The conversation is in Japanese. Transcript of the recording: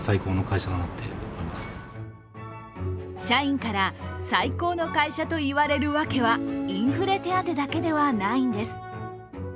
社員から最高の会社といわれるわけは、インフレ手当だけではないんです。